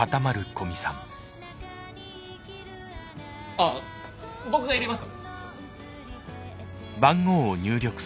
あっ僕が入れます。